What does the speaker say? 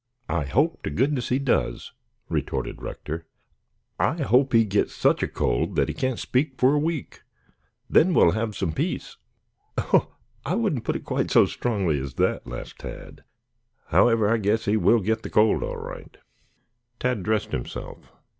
"I hope to goodness he does," retorted Rector. "I hope he gets such a cold that he can't speak for a week. Then we'll have some peace." "Oh, I wouldn't put it quite so strongly as that," laughed Tad. "However, I guess he will get the cold all right." Tad dressed himself.